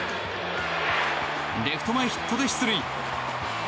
レフト前ヒットで出塁。